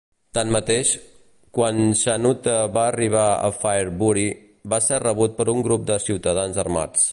Tanmateix, quan Chanute va arribar a Fairbury, va ser rebut per un grup de ciutadans armats.